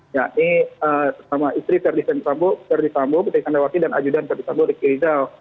yakni sama istri ferdi sambo putri candrawati dan ajudan ferdi sambo riki rizal